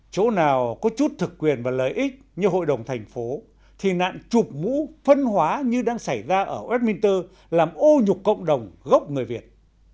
chỗ nào có chút thực quyền và lợi ích như hội đồng thành phố thì nạn chụp mũ phân hóa như đang xảy ra ở westminster làm ô nhục cộng đồng gốc người việt